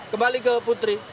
kembali ke putri